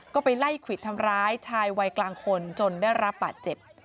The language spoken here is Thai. ก็ไปไล่ควิดทำร้ายชายวัยกลางคนจนได้รับบาดเจ็บ